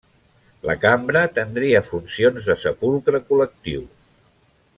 La cambra tendria funcions de sepulcre col·lectiu.